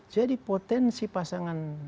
jadi potensi pasangan